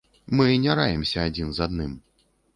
Мы не раімся адзін з адным.